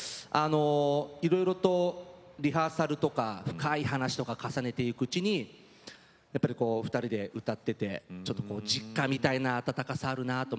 いろいろとリハーサルとか深い話とか重ねていくうちにやっぱり２人で歌っていてちょっと実家みたいな温かさがあるなと。